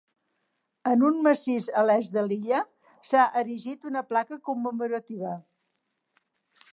En un massís a l'est de l'illa s'ha erigit una placa commemorativa.